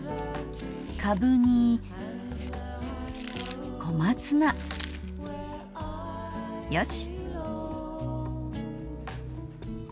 かぶに小松菜よし。